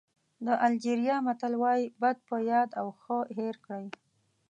د الجېریا متل وایي بد په یاد او ښه هېر کړئ.